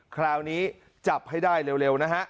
คราวนี้จับให้ได้เร็วนะฮะ